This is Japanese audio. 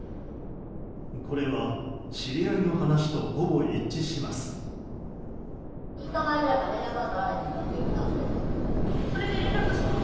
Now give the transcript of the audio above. これは、知り合いの話とほぼ一致します。